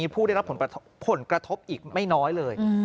ผลกระทบอีกไม่น้อยเลย